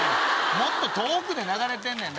もっと遠くで流れてんねん！